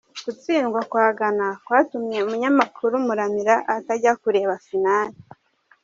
Gutsindwa kwa Ghana kwatumye Umunyamakuru Muramira atajya kureba finali